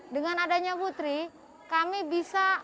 dengan adanya ibu tri kami bisa